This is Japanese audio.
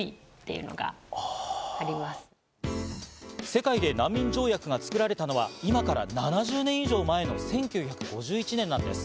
世界で難民条約が作られたのは、今から７０年以上前の１９５１年なんです。